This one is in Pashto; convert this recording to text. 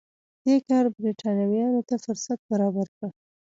دې کار برېټانویانو ته فرصت برابر کړ.